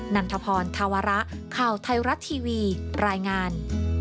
นันทพรธาวระข่าวไทยรัฐทีวีรายงาน